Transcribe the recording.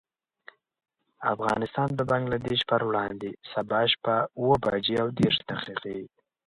افغانستان د بنګلدېش پر وړاندې، سبا شپه اوه بجې او دېرش دقيقې.